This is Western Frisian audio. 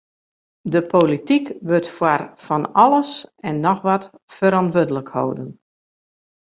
De polityk wurdt foar fan alles en noch wat ferantwurdlik holden.